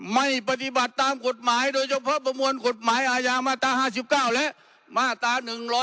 ไม่ปฏิบัติตามกฎหมายโดยเฉพาะประมวลกฎหมายอาญามาตรา๕๙และมาตรา๑๑๒